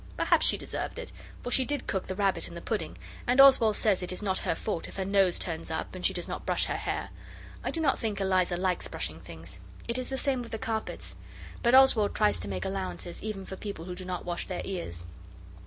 Perhaps she deserved it, for she did cook the rabbit and the pudding; and Oswald says it is not her fault if her nose turns up and she does not brush her hair. I do not think Eliza likes brushing things. It is the same with the carpets. But Oswald tries to make allowances even for people who do not wash their ears.